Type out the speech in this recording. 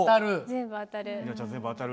全部当たる。